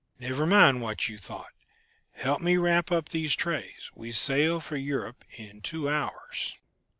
"Never mind what you thought. Help me wrap up these trays. We sail for Europe in two hours."